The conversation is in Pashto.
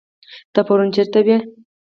ته پرون چيرته وي